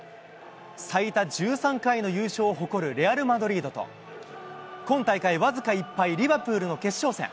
最多１３回の優勝を誇るレアル・マドリードと、今大会、僅か１敗、リバプールの決勝戦。